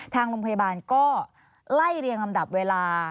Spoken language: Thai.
ทางโรงพยาบาลก็ไล่เรียงลำดับเวลา